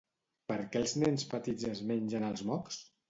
Per què els nens petits es mengen els mocs?